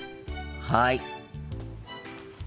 はい。